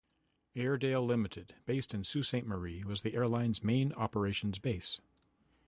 Air-Dale Limited based in Sault Ste Marie was the airline's main operations base.